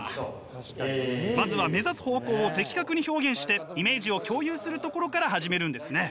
まずは目指す方向を的確に表現してイメージを共有するところから始めるんですね。